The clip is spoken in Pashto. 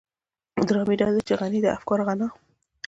ډرامې دادي چې د غني د افکارو غنا.